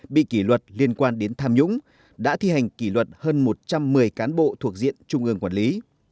bị kỷ luật liên quan đến tham nhũng đã thi hành kỷ luật hơn một trăm một mươi cán bộ thuộc diện trung ương quản lý